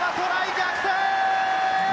逆転！